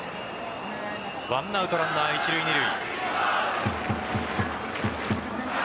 １アウトランナー一塁・二塁。